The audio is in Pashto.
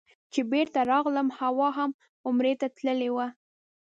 چې بېرته راغلم حوا هم عمرې ته تللې وه.